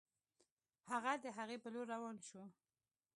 هغه د هغې په لور روان شو